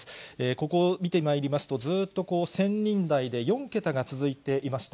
ここを見てまいりますと、ずっとこう、１０００人台で４桁が続いていました。